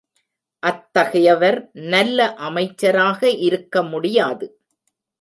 அத்தகையவர் நல்ல அமைச்சராக இருக்க முடியாது.